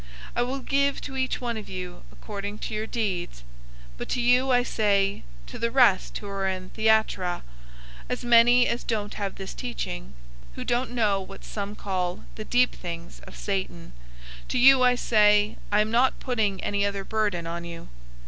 I will give to each one of you according to your deeds. 002:024 But to you I say, to the rest who are in Thyatira, as many as don't have this teaching, who don't know what some call 'the deep things of Satan,' to you I say, I am not putting any other burden on you.